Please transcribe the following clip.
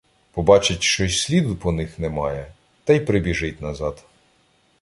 Побачить, що й сліду по них немає, та й прибіжить назад.